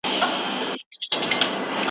حکومت باید د اقتصادي ودې لپاره پلانونه ولري.